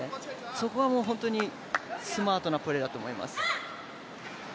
そこは本当にスマートなプレーだと思います。